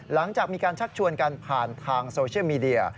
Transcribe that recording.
หลังจากมีการชักชวนกันผ่านทางโซเชียลมีเดีย